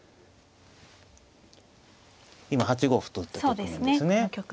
今８五歩と打った局面ですね。